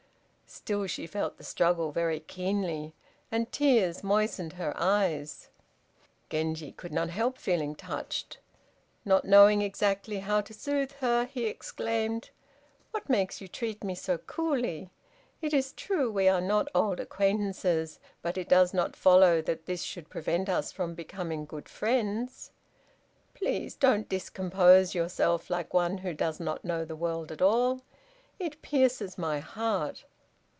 Still she felt the struggle very keenly, and tears moistened her eyes. Genji could not help feeling touched. Not knowing exactly how to soothe her, he exclaimed, "What makes you treat me so coolly? It is true we are not old acquaintances, but it does not follow that this should prevent us from becoming good friends. Please don't discompose yourself like one who does not know the world at all: it pierces my heart."